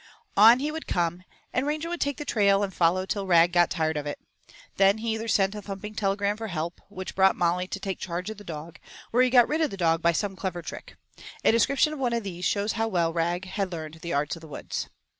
On he would come, and Ranger would take the trail and follow till Rag got tired of it. Then he either sent a thumping telegram for help, which brought Molly to take charge of the dog, or he got rid of the dog by some clever trick. A description of one of these shows how well Rag had learned the arts of the woods.